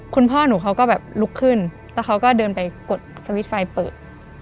คุณพ่อหนูเขาก็แบบลุกขึ้นแล้วเขาก็เดินไปกดสวิตช์ไฟเปิด